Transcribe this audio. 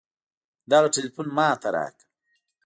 ده ټېلفون ما ته راکړ.